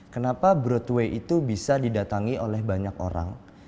kenapa broadway itu bisa didatangi oleh banyak orang